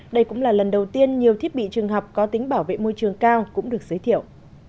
đây cũng là lần đầu tiên nhiều thiết bị trường học có tính bảo vệ môi trường cao cũng được giới thiệu